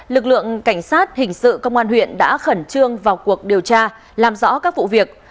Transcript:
lực lượng cảnh sát hình sự công an huyện đã khẩn trương vào cuộc điều tra làm rõ các vụ việc